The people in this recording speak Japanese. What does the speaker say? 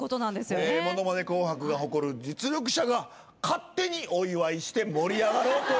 『ものまね紅白』が誇る実力者が勝手にお祝いして盛り上がろうという。